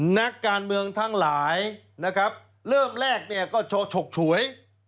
นักการเมืองทั้งหลายเริ่มแรกเนี่ยก็ชกฉวย